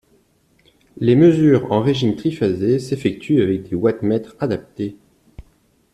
Les mesures en régime triphasé s'effectuent avec des wattmètres adaptés.